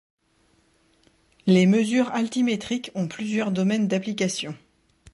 Les mesures altimétriques ont plusieurs domaines d'application.